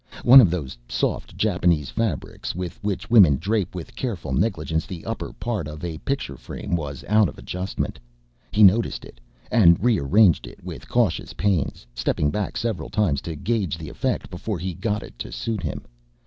One of those soft Japanese fabrics with which women drape with careful negligence the upper part of a picture frame was out of adjustment. He noticed it, and rearranged it with cautious pains, stepping back several times to gauge the effect before he got it to suit him.